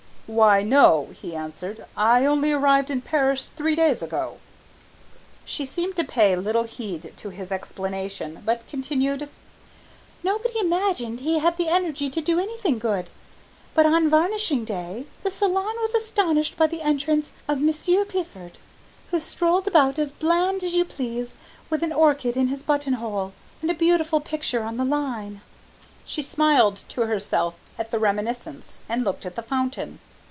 "Why, no," he answered, "I only arrived in Paris three days ago." She seemed to pay little heed to his explanation, but continued: "Nobody imagined he had the energy to do anything good, but on varnishing day the Salon was astonished by the entrance of Monsieur Clifford, who strolled about as bland as you please with an orchid in his buttonhole, and a beautiful picture on the line." She smiled to herself at the reminiscence, and looked at the fountain.